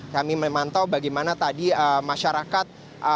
kami memantau bagaimana tadi masyarakat